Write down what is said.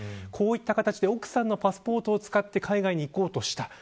こうした形で奥さんのパスポートを使って海外に行こうとした。